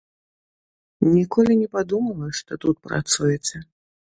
Ніколі не падумала, што тут працуеце.